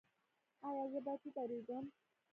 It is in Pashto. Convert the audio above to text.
ایا زه باید ودریږم؟